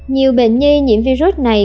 nhiều bệnh nhi nhiễm virus này